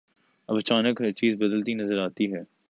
اب اچانک ہر چیز بدلتی نظر آتی ہے۔